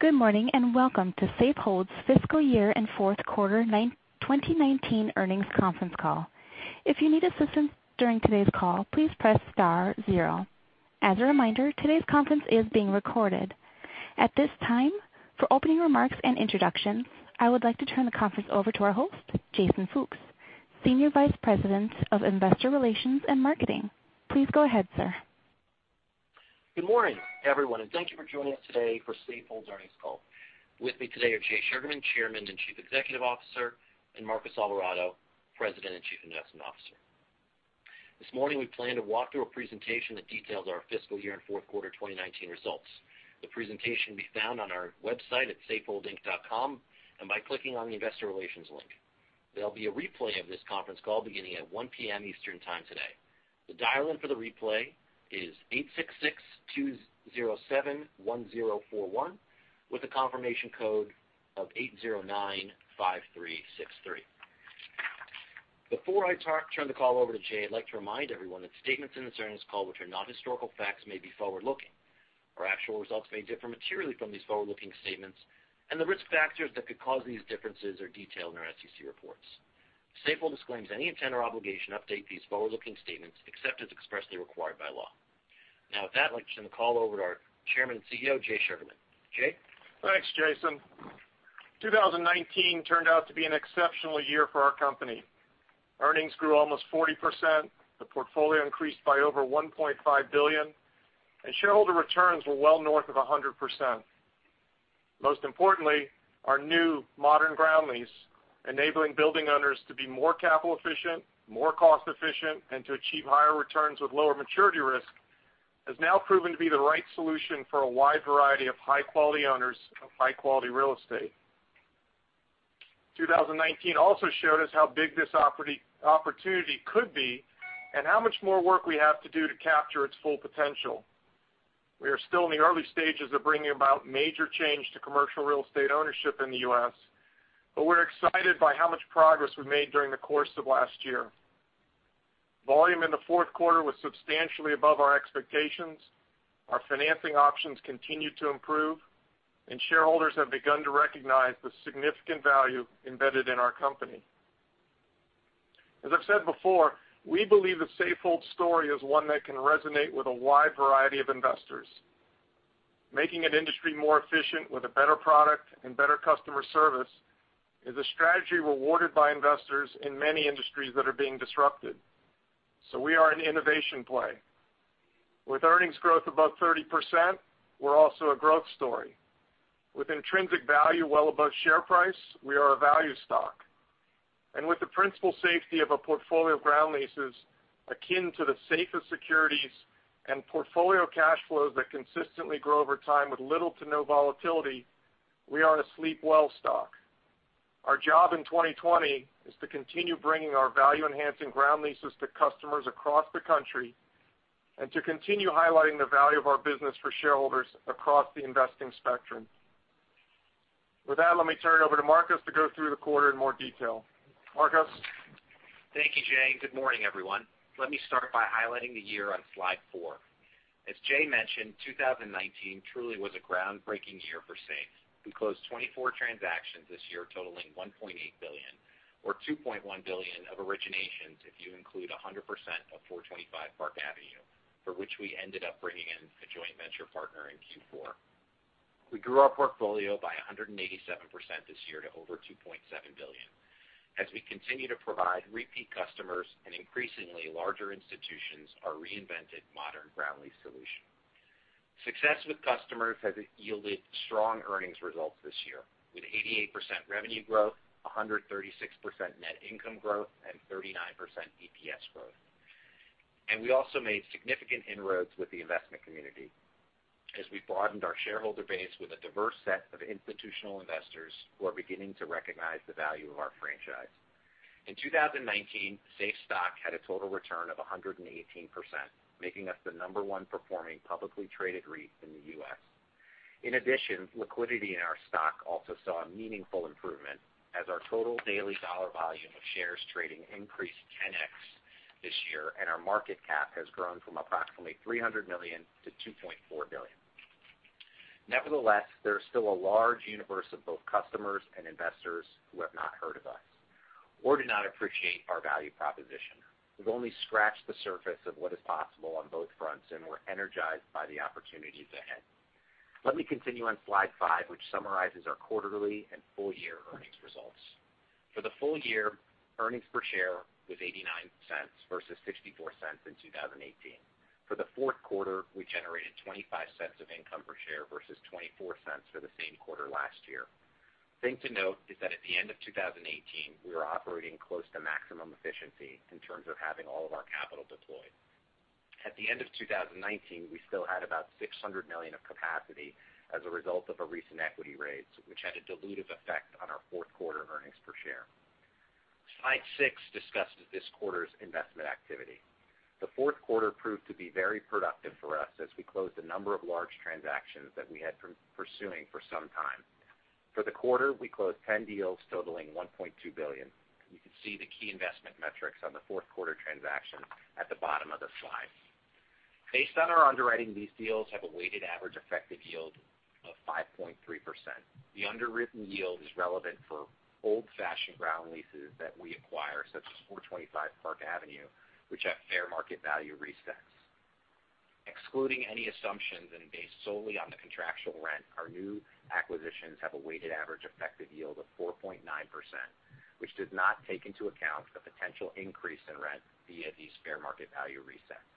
Good morning, welcome to Safehold's Fiscal Year and Fourth Quarter 2019 Earnings Conference Call. If you need assistance during today's call, please press star zero. As a reminder, today's conference is being recorded. At this time, for opening remarks and introductions, I would like to turn the conference over to our host, Jason Fooks, Senior Vice President of Investor Relations and Marketing. Please go ahead, sir. Good morning, everyone, and thank you for joining us today for Safehold's Earnings Call. With me today are Jay Sugarman, Chairman and Chief Executive Officer, and Marcos Alvarado, President and Chief Investment Officer. This morning, we plan to walk through a presentation that details our fiscal year and fourth quarter 2019 results. The presentation can be found on our website at safeholdinc.com, and by clicking on the Investor Relations link. There'll be a replay of this conference call beginning at 1:00 P.M. Eastern Time today. The dial-in for the replay is 866-207-1041 with a confirmation code of 8095363. Before I turn the call over to Jay, I'd like to remind everyone that statements in this earnings call which are not historical facts may be forward-looking. Our actual results may differ materially from these forward-looking statements, and the risk factors that could cause these differences are detailed in our SEC reports. Safehold disclaims any intent or obligation to update these forward-looking statements except as expressly required by law. With that, let me turn the call over to our Chairman and CEO, Jay Sugarman. Jay? Thanks, Jason. 2019 turned out to be an exceptional year for our company. Earnings grew almost 40%, the portfolio increased by over $1.5 billion, and shareholder returns were well north of 100%. Most importantly, our new modern ground lease enabling building owners to be more capital efficient, more cost efficient, and to achieve higher returns with lower maturity risk, has now proven to be the right solution for a wide variety of high-quality owners of high-quality real estate. 2019 also showed us how big this opportunity could be and how much more work we have to do to capture its full potential. We are still in the early stages of bringing about major change to commercial real estate ownership in the U.S., but we're excited by how much progress we made during the course of last year. Volume in the fourth quarter was substantially above our expectations. Our financing options continue to improve, and shareholders have begun to recognize the significant value embedded in our company. As I've said before, we believe the Safehold story is one that can resonate with a wide variety of investors. Making an industry more efficient with a better product and better customer service is a strategy rewarded by investors in many industries that are being disrupted. We are an innovation play. With earnings growth above 30%, we're also a growth story. With intrinsic value well above share price, we are a value stock. With the principal safety of a portfolio of ground leases akin to the safest securities and portfolio cash flows that consistently grow over time with little to no volatility, we are a sleep well stock. Our job in 2020 is to continue bringing our value-enhancing ground leases to customers across the country and to continue highlighting the value of our business for shareholders across the investing spectrum. With that, let me turn it over to Marcos to go through the quarter in more detail. Marcos? Thank you, Jay. Good morning, everyone. Let me start by highlighting the year on slide four. As Jay mentioned, 2019 truly was a groundbreaking year for Safe. We closed 24 transactions this year totaling $1.8 billion, or $2.1 billion of originations if you include 100% of 425 Park Avenue, for which we ended up bringing in a joint venture partner in Q4. We grew our portfolio by 187% this year to over $2.7 billion as we continue to provide repeat customers and increasingly larger institutions our reinvented modern ground-lease solution. Success with customers has yielded strong earnings results this year, with 88% revenue growth, 136% net income growth, and 39% EPS growth. We also made significant inroads with the investment community as we broadened our shareholder base with a diverse set of institutional investors who are beginning to recognize the value of our franchise. In 2019, Safe stock had a total return of 118%, making us the number one performing publicly traded REIT in the U.S. Liquidity in our stock also saw a meaningful improvement as our total daily dollar volume of shares trading increased 10X this year, and our market cap has grown from approximately $300 million-$2.4 billion. There's still a large universe of both customers and investors who have not heard of us or do not appreciate our value proposition. We've only scratched the surface of what is possible on both fronts, and we're energized by the opportunities ahead. Let me continue on slide five, which summarizes our quarterly and full-year earnings results. For the full year, earnings per share was $0.89 versus $0.64 in 2018. For the fourth quarter, we generated $0.25 of income per share versus $0.24 for the same quarter last year. Thing to note is that at the end of 2018, we were operating close to maximum efficiency in terms of having all of our capital deployed. At the end of 2019, we still had about $600 million of capacity as a result of a recent equity raise, which had a dilutive effect on our fourth quarter earnings per share. Slide six discusses this quarter's investment activity. The fourth quarter proved to be very productive for us as we closed a number of large transactions that we had been pursuing for some time. For the quarter, we closed 10 deals totaling $1.2 billion. You can see the key investment metrics on the fourth quarter transactions at the bottom of the slide. Based on our underwriting, these deals have a weighted average effective yield of 5.3%. The underwritten yield is relevant for old-fashioned ground leases that we acquire, such as 425 Park Avenue, which have fair market value resets. Excluding any assumptions and based solely on the contractual rent, our new acquisitions have a weighted average effective yield of 4.9%, which does not take into account the potential increase in rent via these fair market value resets.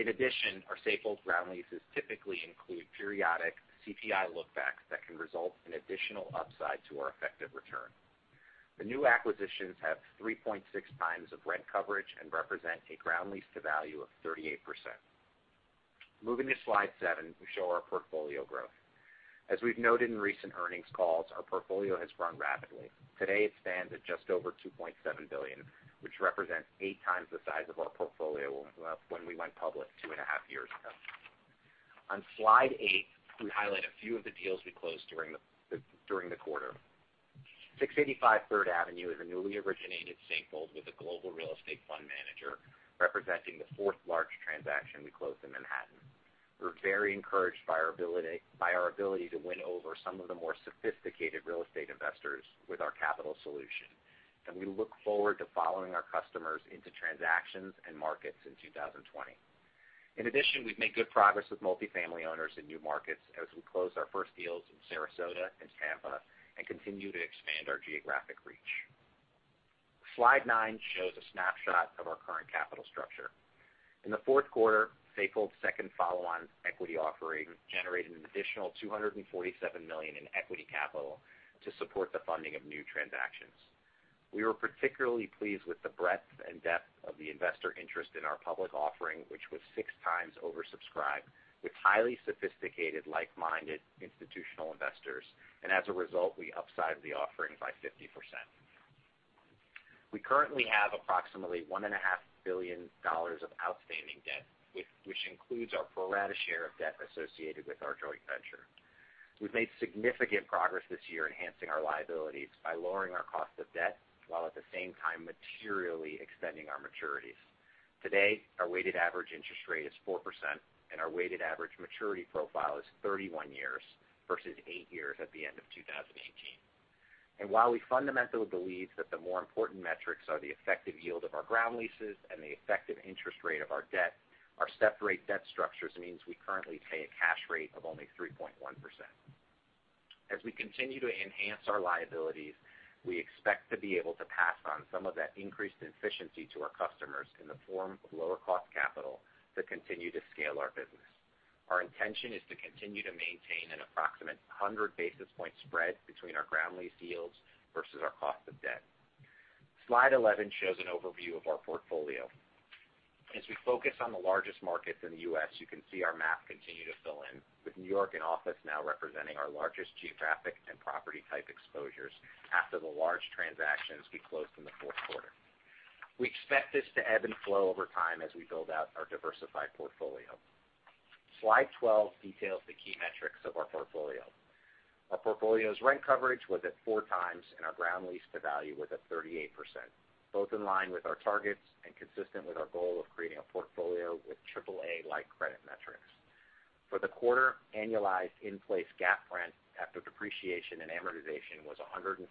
In addition, our Safehold ground leases typically include periodic CPI look-backs that can result in additional upside to our effective return. The new acquisitions have 3.6x of rent coverage and represent a ground lease to value of 38%. Moving to slide seven, we show our portfolio growth. As we've noted in recent earnings calls, our portfolio has grown rapidly. Today, it stands at just over $2.7 billion, which represents eight times the size of our portfolio when we went public 2.5 Years ago. On slide eight, we highlight a few of the deals we closed during the quarter. 685 Third Avenue is a newly originated Safehold with a global real estate fund manager, representing the fourth large transaction we closed in Manhattan. We're very encouraged by our ability to win over some of the more sophisticated real estate investors with our capital solution, and we look forward to following our customers into transactions and markets in 2020. In addition, we've made good progress with multifamily owners in new markets as we close our first deals in Sarasota and Tampa and continue to expand our geographic reach. Slide nine shows a snapshot of our current capital structure. In the fourth quarter, Safehold's second follow-on equity offering generated an additional $247 million in equity capital to support the funding of new transactions. We were particularly pleased with the breadth and depth of the investor interest in our public offering, which was 6x oversubscribed, with highly sophisticated, like-minded institutional investors. As a result, we upsized the offering by 50%. We currently have approximately $1.5 billion of outstanding debt, which includes our pro rata share of debt associated with our joint venture. We've made significant progress this year enhancing our liabilities by lowering our cost of debt, while at the same time materially extending our maturities. Today, our weighted average interest rate is 4%, and our weighted average maturity profile is 31 years versus eight years at the end of 2018. While we fundamentally believe that the more important metrics are the effective yield of our ground leases and the effective interest rate of our debt, our step-rate debt structures means we currently pay a cash rate of only 3.1%. As we continue to enhance our liabilities, we expect to be able to pass on some of that increased efficiency to our customers in the form of lower cost capital to continue to scale our business. Our intention is to continue to maintain an approximate 100 basis point spread between our ground lease yields versus our cost of debt. Slide 11 shows an overview of our portfolio. As we focus on the largest markets in the U.S., you can see our map continue to fill in, with New York and office now representing our largest geographic and property type exposures after the large transactions we closed in the fourth quarter. We expect this to ebb and flow over time as we build out our diversified portfolio. Slide 12 details the key metrics of our portfolio. Our portfolio's rent coverage was at four times, and our ground lease to value was at 38%, both in line with our targets and consistent with our goal of creating a portfolio with triple A-like credit metrics. For the quarter, annualized in-place GAAP rent after depreciation and amortization was $147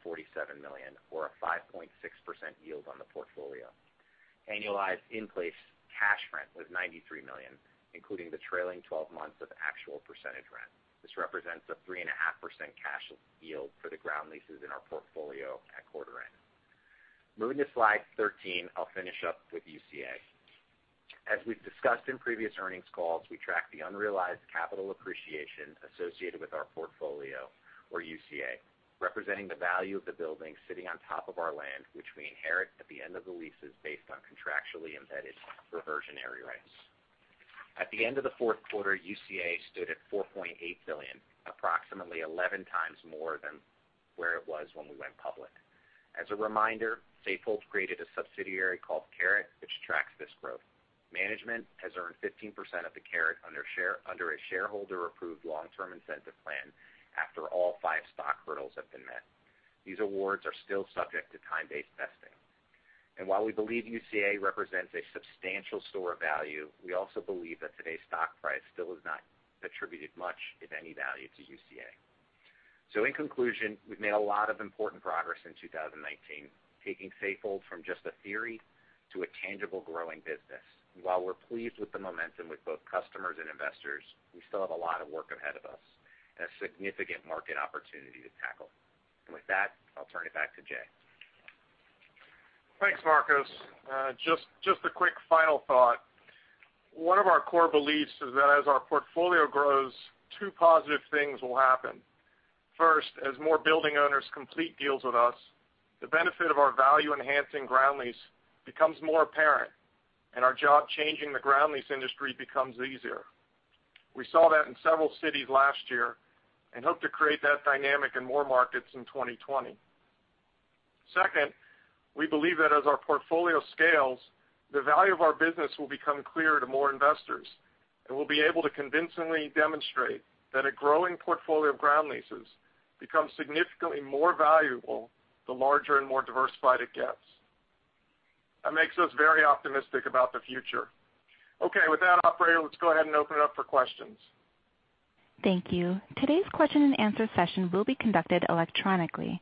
million, or a 5.6% yield on the portfolio. Annualized in-place cash rent was $93 million, including the trailing 12 months of actual percentage rent. This represents a 3.5% cash yield for the ground leases in our portfolio at quarter end. Moving to slide 13, I'll finish up with UCA. As we've discussed in previous earnings calls, we track the unrealized capital appreciation associated with our portfolio, or UCA, representing the value of the building sitting on top of our land, which we inherit at the end of the leases based on contractually embedded reversionary rights. At the end of the fourth quarter, UCA stood at $4.8 billion, approximately 11x more than where it was when we went public. As a reminder, Safehold created a subsidiary called CARAT, which tracks this growth. Management has earned 15% of the CARAT under a shareholder-approved long-term incentive plan after all five stock hurdles have been met. These awards are still subject to time-based vesting. While we believe UCA represents a substantial store of value, we also believe that today's stock price still has not attributed much, if any, value to UCA. In conclusion, we've made a lot of important progress since 2019, taking Safehold from just a theory to a tangible, growing business. While we're pleased with the momentum with both customers and investors, we still have a lot of work ahead of us and a significant market opportunity to tackle. With that, I'll turn it back to Jay. Thanks, Marcos. Just a quick final thought. One of our core beliefs is that as our portfolio grows, two positive things will happen. First, as more building owners complete deals with us, the benefit of our value-enhancing ground lease becomes more apparent, and our job changing the ground lease industry becomes easier. We saw that in several cities last year and hope to create that dynamic in more markets in 2020. Second, we believe that as our portfolio scales, the value of our business will become clear to more investors, and we'll be able to convincingly demonstrate that a growing portfolio of ground leases becomes significantly more valuable the larger and more diversified it gets. That makes us very optimistic about the future. Okay. With that, operator, let's go ahead and open it up for questions. Thank you. Today's question-and-answer session will be conducted electronically.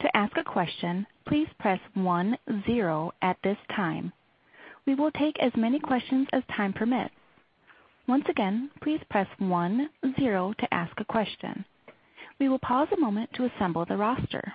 To ask a question, please press one zero at this time. We will take as many questions as time permits. Once again, please press one zero to ask a question. We will pause a moment to assemble the roster.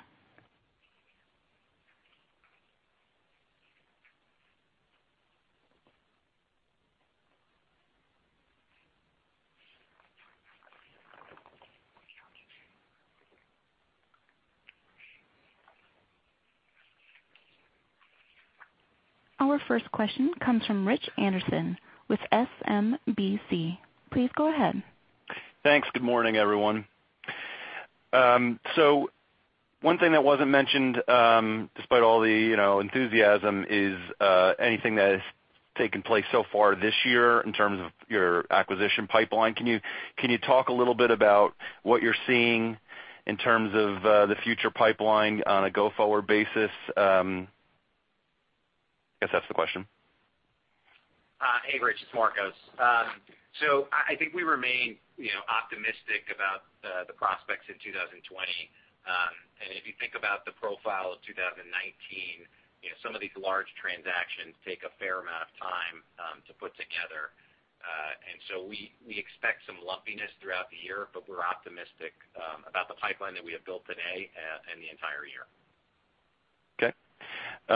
Our first question comes from Rich Anderson with SMBC. Please go ahead. Thanks. Good morning, everyone. One thing that wasn't mentioned, despite all the enthusiasm, is anything that has taken place so far this year in terms of your acquisition pipeline. Can you talk a little bit about what you're seeing in terms of the future pipeline on a go-forward basis? I guess that's the question. Hey, Rich. It's Marcos. I think we remain optimistic about the prospects in 2020. If you think about the profile of 2019, some of these large transactions take a fair amount of time to put together. We expect some lumpiness throughout the year, but we're optimistic about the pipeline that we have built today and the entire year. Okay.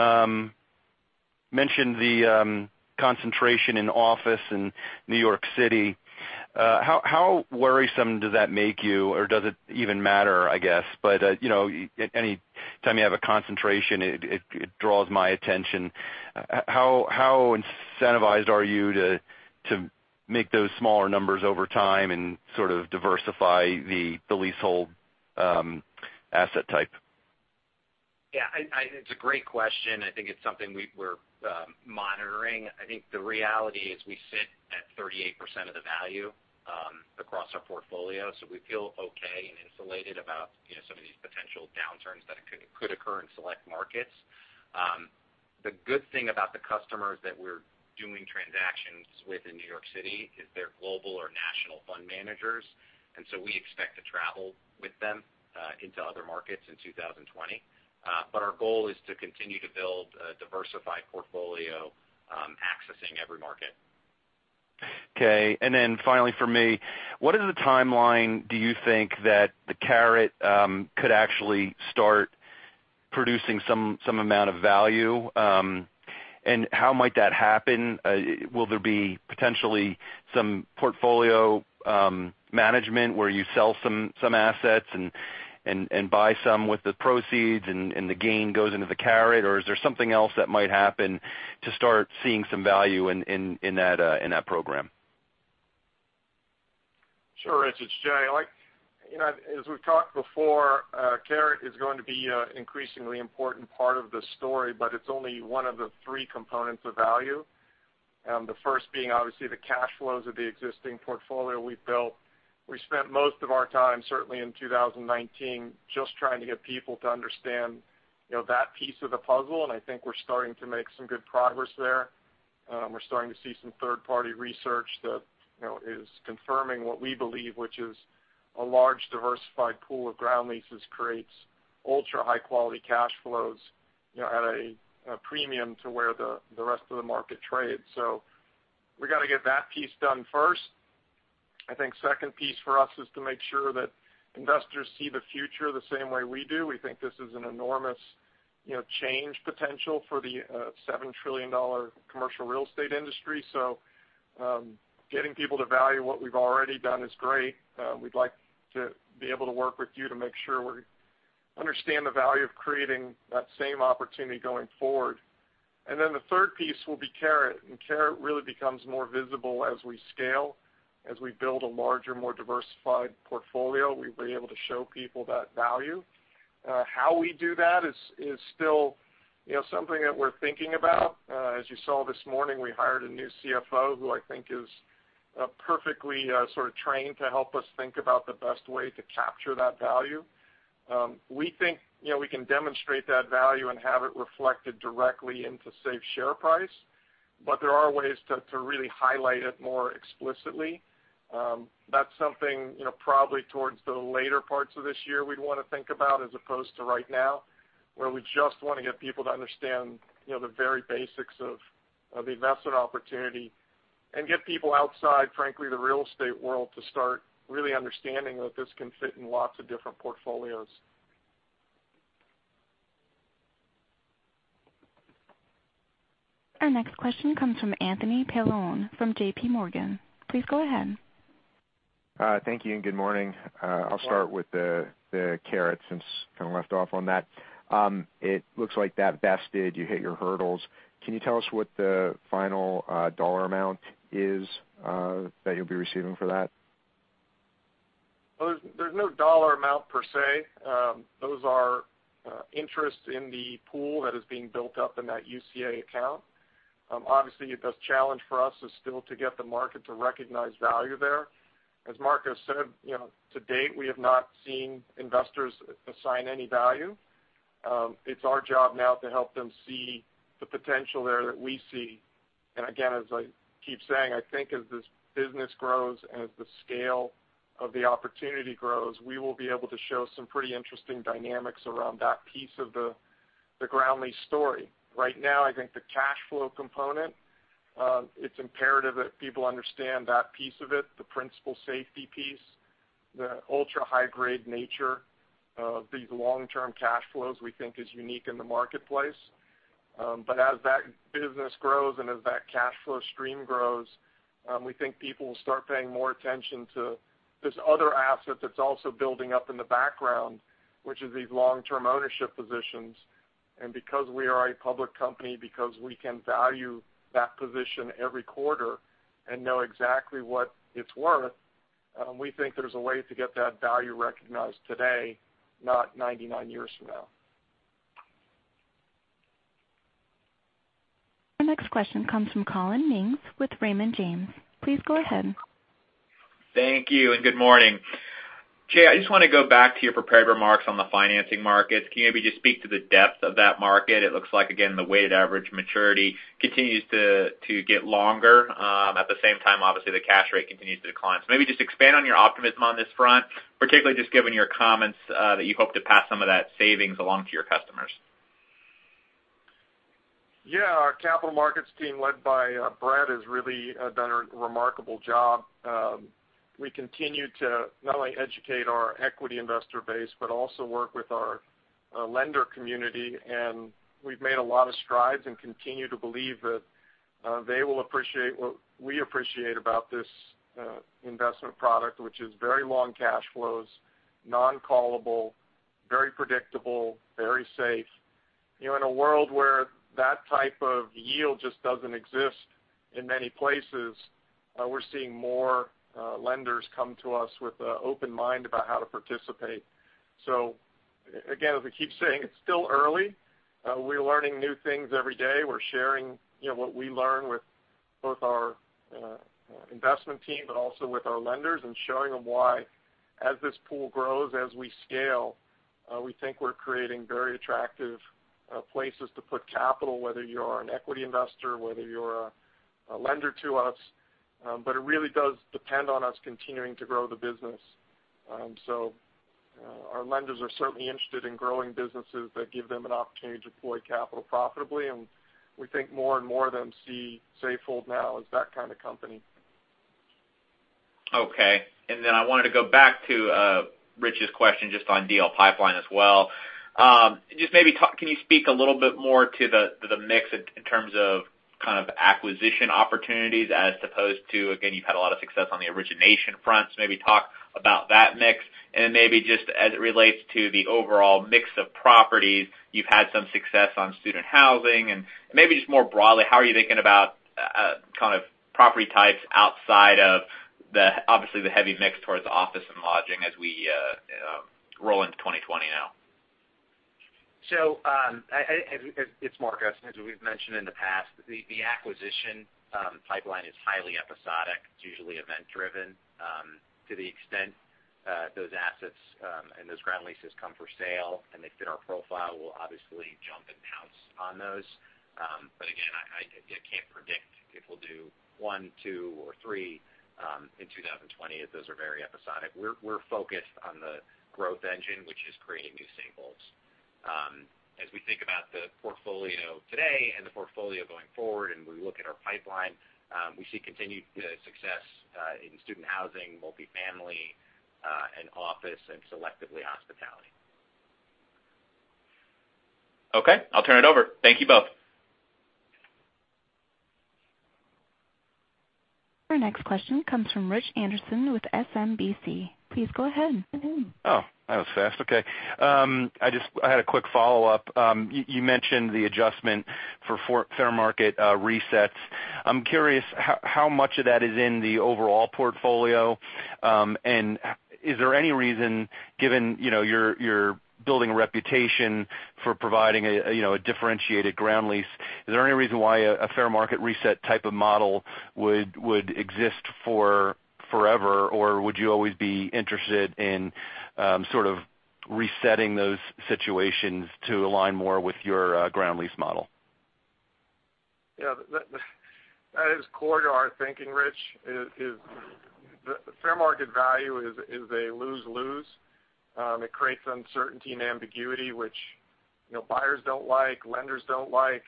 Mentioned the concentration in office in New York City. How worrisome does that make you, or does it even matter, I guess? Any time you have a concentration, it draws my attention. How incentivized are you to make those smaller numbers over time and sort of diversify the leasehold asset type? Yeah. It's a great question. I think it's something we're monitoring. I think the reality is we sit at 38% of the value across our portfolio. We feel okay and insulated about some of these potential downturns that could occur in select markets. The good thing about the customers that we're doing transactions with in New York City is they're global or national fund managers. We expect to travel with them into other markets in 2020. Our goal is to continue to build a diversified portfolio, accessing every market. Okay. Finally from me, what is the timeline, do you think, that the CARAT could actually start producing some amount of value? How might that happen? Will there be potentially some portfolio management where you sell some assets and buy some with the proceeds, and the gain goes into the CARAT? Is there something else that might happen to start seeing some value in that program? Sure, Rich. It's Jay. As we've talked before, CARAT is going to be an increasingly important part of the story, but it's only one of the three components of value. The first being, obviously, the cash flows of the existing portfolio we've built. We spent most of our time, certainly in 2019, just trying to get people to understand that piece of the puzzle, and I think we're starting to make some good progress there. We're starting to see some third-party research that is confirming what we believe, which is a large, diversified pool of ground leases creates ultra-high-quality cash flows at a premium to where the rest of the market trades. We've got to get that piece done first. I think second piece for us is to make sure that investors see the future the same way we do. We think this is an enormous change potential for the $7 trillion commercial real estate industry. Getting people to value what we've already done is great. We'd like to be able to work with you to make sure we understand the value of creating that same opportunity going forward. The third piece will be CARAT, and CARAT really becomes more visible as we scale. As we build a larger, more diversified portfolio, we'll be able to show people that value. How we do that is still something that we're thinking about. As you saw this morning, we hired a new CFO, who I think is perfectly trained to help us think about the best way to capture that value. We think we can demonstrate that value and have it reflected directly into Safe share price, but there are ways to really highlight it more explicitly. That's something probably towards the later parts of this year we'd want to think about as opposed to right now, where we just want to get people to understand the very basics of the investment opportunity, get people outside, frankly, the real estate world to start really understanding that this can fit in lots of different portfolios. Our next question comes from Anthony Paolone from JPMorgan. Please go ahead. Thank you, and good morning. I'll start with the CARAT since kind of left off on that. It looks like that vested, you hit your hurdles. Can you tell us what the final dollar amount is that you'll be receiving for that? Well, there's no dollar amount per se. Those are interest in the pool that is being built up in that UCA account. Obviously, the challenge for us is still to get the market to recognize value there. As Marcos said, to date, we have not seen investors assign any value. It's our job now to help them see the potential there that we see. Again, as I keep saying, I think as this business grows and as the scale of the opportunity grows, we will be able to show some pretty interesting dynamics around that piece of the ground lease story. Right now, I think the cash flow component, it's imperative that people understand that piece of it, the principal safety piece, the ultra high-grade nature of these long-term cash flows we think is unique in the marketplace. As that business grows and as that cash flow stream grows, we think people will start paying more attention to this other asset that's also building up in the background, which is these long-term ownership positions. Because we are a public company, because we can value that position every quarter and know exactly what it's worth, we think there's a way to get that value recognized today, not 99 years from now. Our next question comes from Collin Mings with Raymond James. Please go ahead. Thank you, and good morning. Jay, I just want to go back to your prepared remarks on the financing markets. Can you maybe just speak to the depth of that market? It looks like, again, the weighted average maturity continues to get longer. At the same time, obviously, the cash rate continues to decline. Maybe just expand on your optimism on this front, particularly just given your comments that you hope to pass some of that savings along to your customers. Yeah. Our capital markets team, led by Brad, has really done a remarkable job. We continue to not only educate our equity investor base, but also work with our lender community. We've made a lot of strides and continue to believe that they will appreciate what we appreciate about this investment product, which is very long cash flows, non-callable, very predictable, very safe. In a world where that type of yield just doesn't exist in many places, we're seeing more lenders come to us with an open mind about how to participate. Again, as I keep saying, it's still early. We're learning new things every day. We're sharing what we learn with both our investment team, also with our lenders and showing them why as this pool grows, as we scale, we think we're creating very attractive places to put capital, whether you're an equity investor, whether you're a lender to us. It really does depend on us continuing to grow the business. Our lenders are certainly interested in growing businesses that give them an opportunity to deploy capital profitably, and we think more and more of them see Safehold now as that kind of company. Okay. I wanted to go back to Rich's question just on deal pipeline as well. Just maybe can you speak a little bit more to the mix in terms of acquisition opportunities as opposed to, again, you've had a lot of success on the origination front, maybe talk about that mix. Maybe just as it relates to the overall mix of properties, you've had some success on student housing, and maybe just more broadly, how are you thinking about property types outside of obviously the heavy mix towards office and lodging as we roll into 2020 now? It's Marcos. As we've mentioned in the past, the acquisition pipeline is highly episodic. It's usually event driven. To the extent those assets and those ground leases come for sale and they fit our profile, we'll obviously jump and pounce on those. Again, I can't predict if we'll do one, two, or three in 2020, as those are very episodic. We're focused on the growth engine, which is creating new Safeholds. As we think about the portfolio today and the portfolio going forward, and we look at our pipeline, we see continued success in student housing, multifamily, and office, and selectively hospitality. Okay. I'll turn it over. Thank you both. Our next question comes from Rich Anderson with SMBC. Please go ahead. Oh, that was fast. Okay. I had a quick follow-up. You mentioned the adjustment for fair market resets. I'm curious how much of that is in the overall portfolio. Is there any reason, given you're building a reputation for providing a differentiated ground lease, is there any reason why a fair market reset type of model would exist forever? Would you always be interested in sort of resetting those situations to align more with your ground lease model? Yeah. That is core to our thinking, Rich. The fair market value is a lose-lose. It creates uncertainty and ambiguity, which buyers don't like, lenders don't like.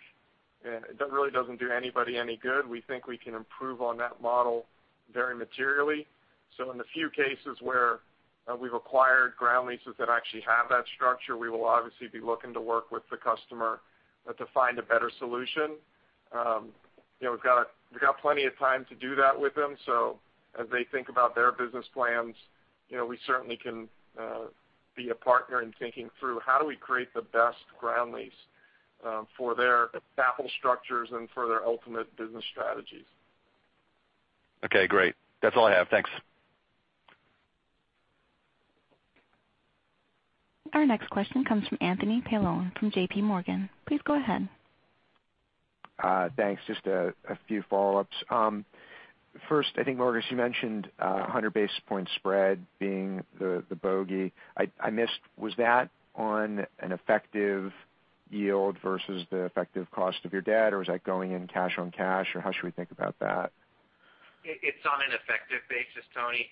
It really doesn't do anybody any good. We think we can improve on that model very materially. In the few cases where we've acquired ground leases that actually have that structure, we will obviously be looking to work with the customer to find a better solution. We've got plenty of time to do that with them. As they think about their business plans, we certainly can be a partner in thinking through how do we create the best ground lease for their capital structures and for their ultimate business strategies. Okay, great. That's all I have. Thanks. Our next question comes from Anthony Paolone from JPMorgan. Please go ahead. Thanks. Just a few follow-ups. First, I think, Marcos, you mentioned 100 basis point spread being the bogey. I missed, was that on an effective yield versus the effective cost of your debt, or was that going in cash on cash, or how should we think about that? It's on an effective basis, Anthony.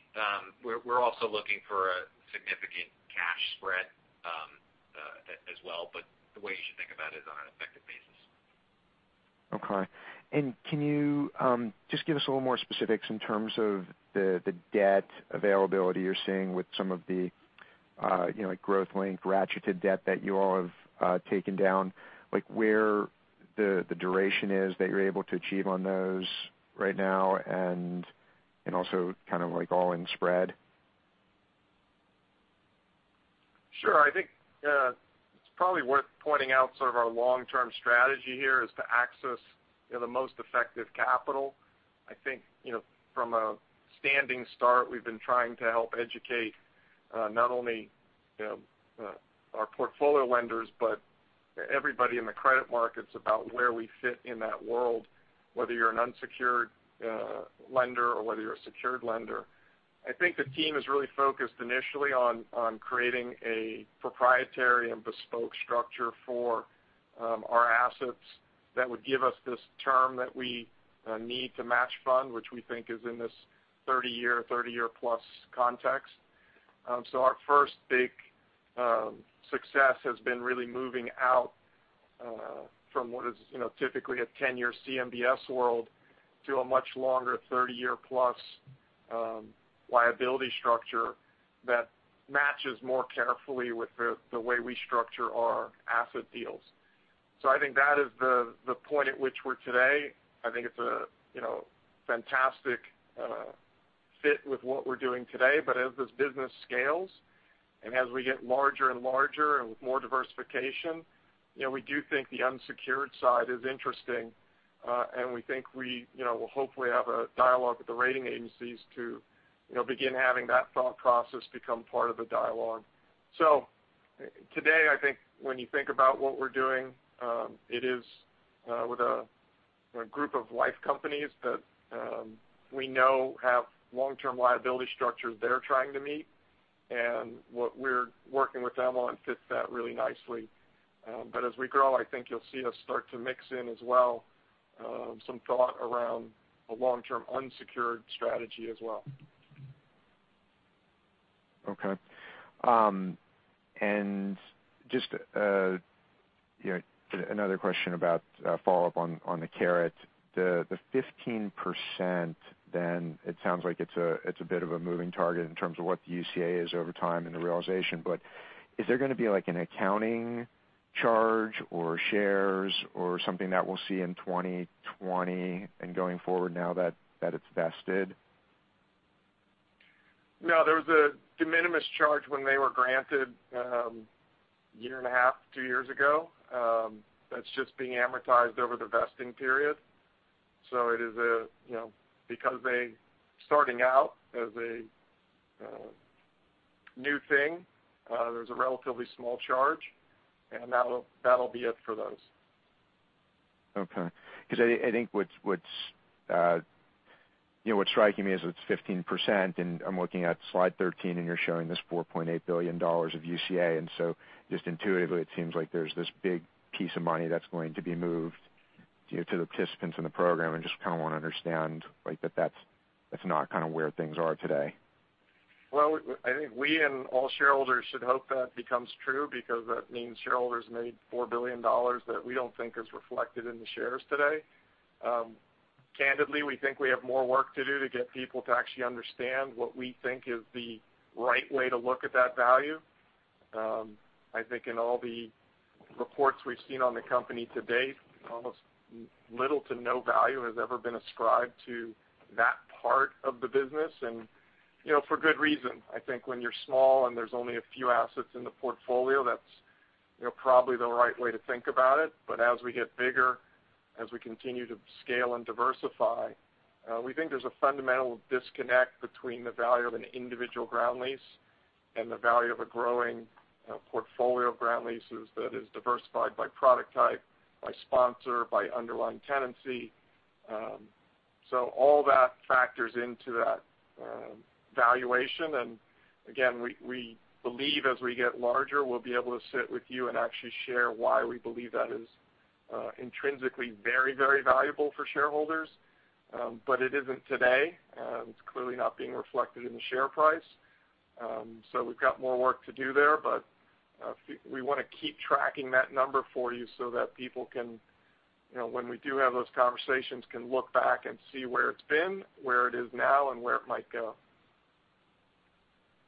We're also looking for a significant cash spread as well. The way you should think about it is on an effective basis. Okay. Can you just give us a little more specifics in terms of the debt availability you're seeing with some of the growth link ratcheted debt that you all have taken down, like where the duration is that you're able to achieve on those right now and also kind of like all-in spread? Sure. I think it's probably worth pointing out sort of our long-term strategy here is to access the most effective capital. I think from a standing start, we've been trying to help educate, not only our portfolio lenders, but everybody in the credit markets about where we fit in that world, whether you're an unsecured lender or whether you're a secured lender. I think the team is really focused initially on creating a proprietary and bespoke structure for our assets that would give us this term that we need to match fund, which we think is in this 30-year or 30+ year context. Our first big success has been really moving out from what is typically a 10-year CMBS world to a much longer 30+ year liability structure that matches more carefully with the way we structure our asset deals. I think that is the point at which we're today. I think it's a fantastic fit with what we're doing today. As this business scales and as we get larger and larger and with more diversification, we do think the unsecured side is interesting. We think we will hopefully have a dialogue with the rating agencies to begin having that thought process become part of the dialogue. Today, I think when you think about what we're doing, it is with a group of life companies that we know have long-term liability structures they're trying to meet, and what we're working with them on fits that really nicely. As we grow, I think you'll see us start to mix in as well, some thought around a long-term unsecured strategy as well. Okay. Just another question about follow-up on the CARAT. The 15%, it sounds like it's a bit of a moving target in terms of what the UCA is over time and the realization. Is there going to be like an accounting charge or shares or something that we'll see in 2020 and going forward now that it's vested? There was a de minimis charge when they were granted a year and a half, two years ago. That's just being amortized over the vesting period. Because they starting out as a new thing, there's a relatively small charge, and that'll be it for those. Okay. I think what's striking me is it's 15%, and I'm looking at slide 13, and you're showing this $4.8 billion of UCA, and so just intuitively, it seems like there's this big piece of money that's going to be moved to the participants in the program and just kind of want to understand that's not kind of where things are today. Well, I think we and all shareholders should hope that becomes true because that means shareholders made $4 billion that we don't think is reflected in the shares today. Candidly, we think we have more work to do to get people to actually understand what we think is the right way to look at that value. I think in all the reports we've seen on the company to date, almost little to no value has ever been ascribed to that part of the business, and for good reason. I think when you're small and there's only a few assets in the portfolio, that's probably the right way to think about it. As we get bigger, as we continue to scale and diversify, we think there's a fundamental disconnect between the value of an individual ground lease and the value of a growing portfolio of ground leases that is diversified by product type, by sponsor, by underlying tenancy. All that factors into that valuation. Again, we believe as we get larger, we'll be able to sit with you and actually share why we believe that is intrinsically very, very valuable for shareholders. It isn't today. It's clearly not being reflected in the share price. We've got more work to do there, but we want to keep tracking that number for you so that people can, when we do have those conversations, can look back and see where it's been, where it is now, and where it might go.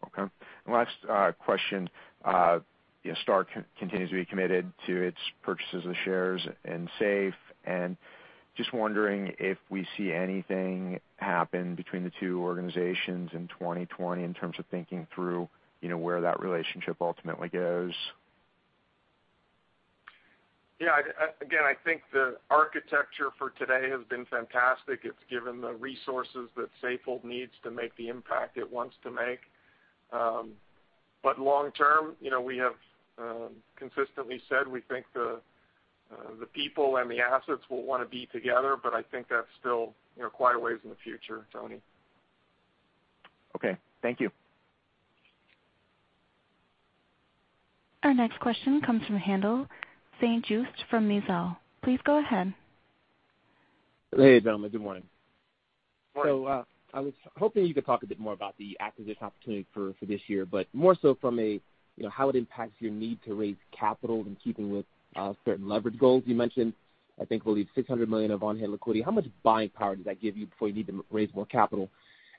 Okay. Last question. iStar continues to be committed to its purchases of shares in Safe. Just wondering if we see anything happen between the two organizations in 2020 in terms of thinking through where that relationship ultimately goes. Yeah. Again, I think the architecture for today has been fantastic. It's given the resources that Safehold needs to make the impact it wants to make. Long term, we have consistently said we think the people and the assets will want to be together, I think that's still quite a ways in the future, Anthony. Okay. Thank you. Our next question comes from Haendel St. Juste from Mizuho. Please go ahead. Hey, gentlemen. Good morning. Morning. I was hoping you could talk a bit more about the acquisition opportunity for this year, but more so from how it impacts your need to raise capital in keeping with certain leverage goals you mentioned. I think you believe $600 million of on-hand liquidity. How much buying power does that give you before you need to raise more capital?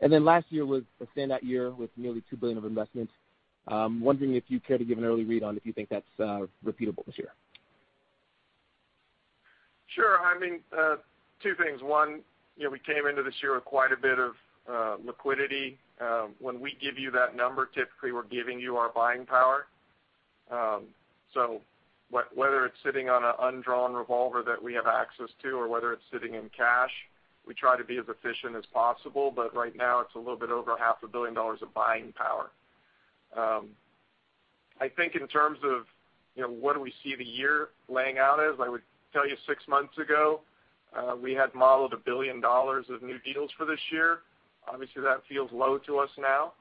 Last year was a standout year with nearly $2 billion of investments. I'm wondering if you care to give an early read on if you think that's repeatable this year. Sure. I mean, two things. One, we came into this year with quite a bit of liquidity. When we give you that number, typically, we're giving you our buying power. Whether it's sitting on an undrawn revolver that we have access to, or whether it's sitting in cash, we try to be as efficient as possible. Right now, it's a little bit over half a billion dollars of buying power. I think in terms of what do we see the year laying out as, I would tell you six months ago, we had modeled $1 billion of new deals for this year. Obviously, that feels low to us now.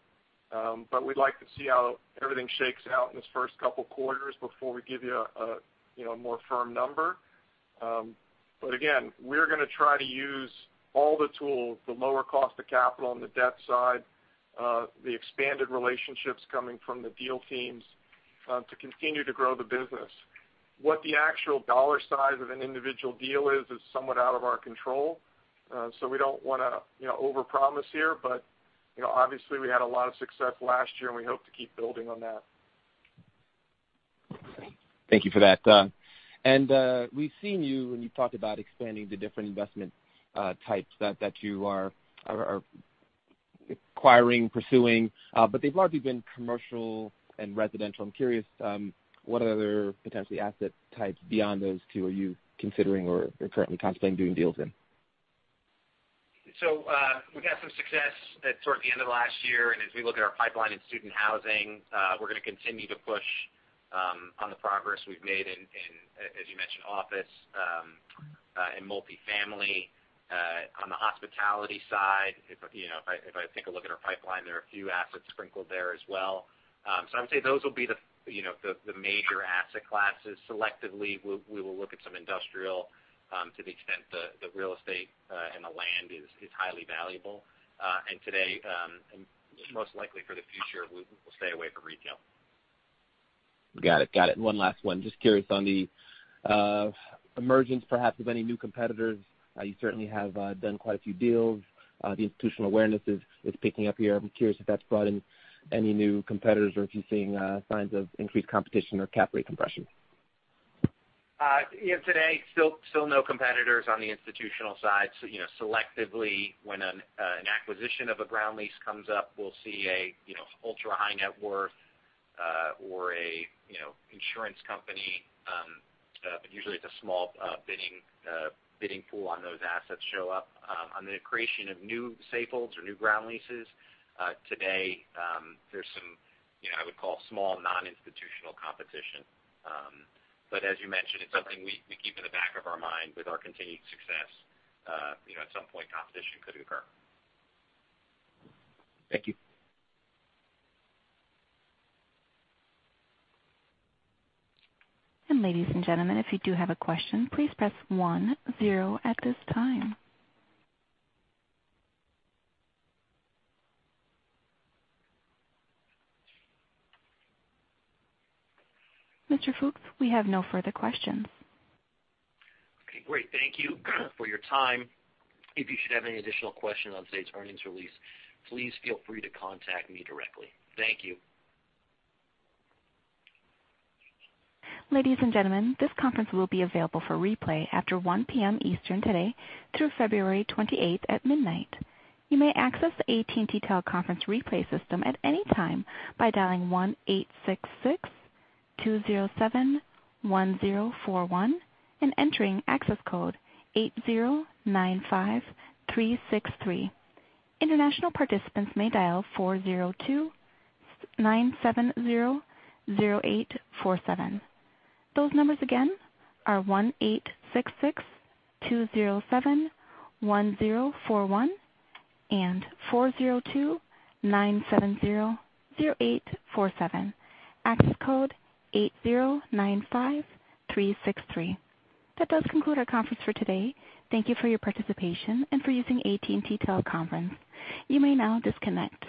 We'd like to see how everything shakes out in this first couple of quarters before we give you a more firm number. Again, we're going to try to use all the tools, the lower cost of capital on the debt side, the expanded relationships coming from the deal teams, to continue to grow the business. What the actual dollar size of an individual deal is somewhat out of our control. We don't want to overpromise here, but obviously, we had a lot of success last year, and we hope to keep building on that. Thank you for that. We've seen you, and you talked about expanding the different investment types that you are acquiring, pursuing, but they've largely been commercial and residential. I'm curious what other potential asset types beyond those two are you considering or are currently contemplating doing deals in? We've had some success at sort of the end of last year, and as we look at our pipeline in student housing, we're going to continue to push on the progress we've made in, as you mentioned, office and multifamily. On the hospitality side, if I take a look at our pipeline, there are a few assets sprinkled there as well. I would say those will be the major asset classes. Selectively, we will look at some industrial to the extent the real estate and the land is highly valuable. Today, and most likely for the future, we will stay away for retail. Got it. One last one. Just curious on the emergence, perhaps, of any new competitors. You certainly have done quite a few deals. The institutional awareness is picking up here. I'm curious if that's brought in any new competitors or if you're seeing signs of increased competition or cap rate compression. Today, still no competitors on the institutional side. Selectively, when an acquisition of a ground lease comes up, we'll see an ultra-high net worth or a insurance company, but usually it's a small bidding pool on those assets show up. On the creation of new Safeholds or new ground leases, today, there's some I would call small non-institutional competition. As you mentioned, it's something we keep in the back of our mind with our continued success. At some point, competition could occur. Thank you. ladies and gentlemen, if you do have a question, please press 10 at this time. Mr. Fooks, we have no further questions. Okay, great. Thank you for your time. If you should have any additional questions on today's earnings release, please feel free to contact me directly. Thank you. Ladies and gentlemen, this conference will be available for replay after 1:00 P.M. Eastern today through February 28th at midnight. You may access the AT&T Teleconference replay system at any time by dialing 1-866-207-1041 and entering access code 8095363. International participants may dial 402-970-0847. Those numbers again are 1-866-207-1041 and 402-970-0847. Access code 8095363. That does conclude our conference for today. Thank you for your participation and for using AT&T Teleconference. You may now disconnect.